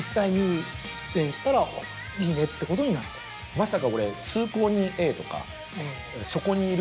まさか俺。